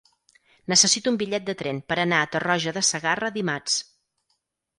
Necessito un bitllet de tren per anar a Tarroja de Segarra dimarts.